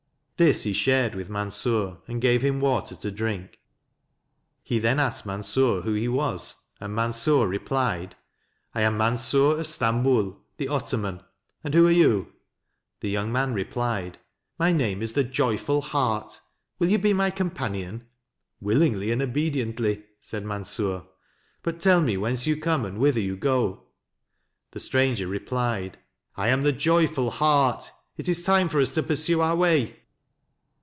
This he shared with Mansur, and gave him water to drink. He then asked Mansur who he was; and Mansur replied: "I am Mansur of Stamboul, the Ottoman; and who are you?" The young man re plied: "My name is the Joyful Heart: will you be my companion?" "Willingly and obediently," said Mansur, " but tell me whence you come and whither you go." The stranger replied :" I am the Joyful Heart; it is time for us to pursue our way."